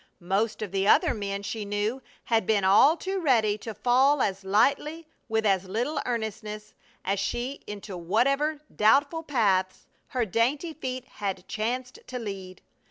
Most of the other men she knew had been all too ready to fall as lightly with as little earnestness as she into whatever doubtful paths her dainty feet had chanced to lead.